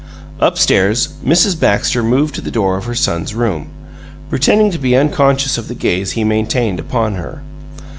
Up stairs, Mrs. Baxter moved to the door of her son's room, pretending to be unconscious of the gaze he maintained upon her.